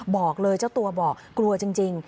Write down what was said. บอกเลยเจ้าตัวบอกกลัวจริง